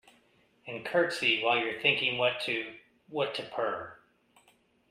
And curtsey while you’re thinking what to—what to purr.